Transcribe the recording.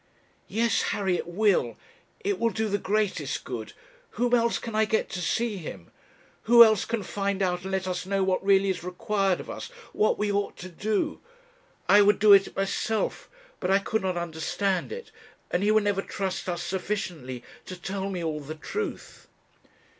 'Yes, Harry, it will; it will do the greatest good; whom else can I get to see him? who else can find out and let us know what really is required of us, what we ought to do? I would do it myself, but I could not understand it; and he would never trust us sufficiently to tell me all the truth.'